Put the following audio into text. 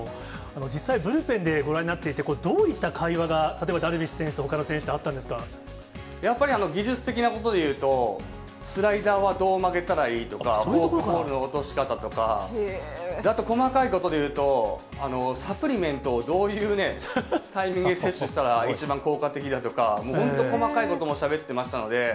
実際、ブルペンでご覧になっていて、どういった会話が、例えばダルビッシュ選手と、ほかの選手とあっやっぱり技術的なことでいうと、スライダーはどう曲げたらいいとか、フォークボールの落とし方だとか、あと細かいことでいうと、サプリメントをどういうタイミングで摂取したら一番効果的だとか、もう本当細かいこともしゃべってましたので。